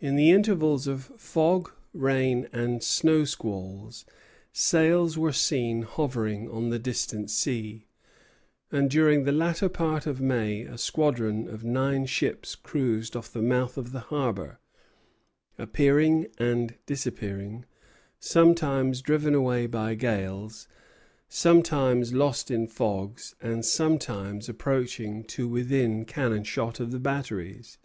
In the intervals of fog, rain, and snow squalls, sails were seen hovering on the distant sea; and during the latter part of May a squadron of nine ships cruised off the mouth of the harbor, appearing and disappearing, sometimes driven away by gales, sometimes lost in fogs, and sometimes approaching to within cannon shot of the batteries.